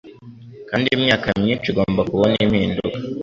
Kandi imyaka myinshi igomba kubona impinduka.